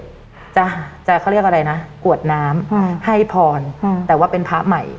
เสร็จจะจะเขาเรียกอะไรนะกวดน้ำให้พรแต่ว่าเป็นพระใหม่